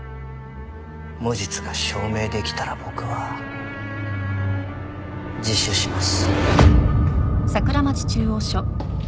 無実が証明できたら僕は自首します。